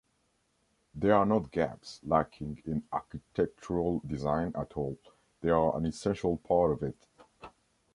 They are not gaps lacking in architectural design at all, they are an essential part of it.